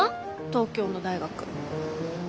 東京の大学。